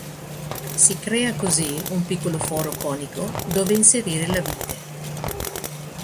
Si crea così un piccolo foro conico dove inserire la vite.